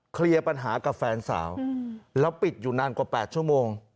เคลียร์ปัญหากับแฟนสาวแล้วปิดอยู่นานกว่า๘ชั่วโมง